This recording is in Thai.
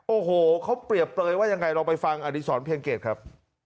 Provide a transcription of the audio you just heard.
โอ้โหเขาเปรียบเปลยว่ายังไงลองไปฟังอดีศรเพียงเกตครับ